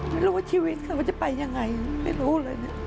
ไม่รู้ว่าชีวิตเขาจะไปยังไงไม่รู้เลย